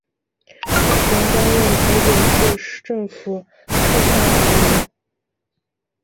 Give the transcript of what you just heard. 目前担任台北市政府副发言人。